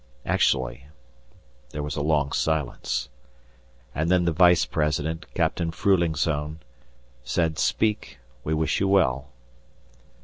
Actually there was a long silence, and then the Vice President, Captain Fruhlingsohn, said, "Speak; we wish you well."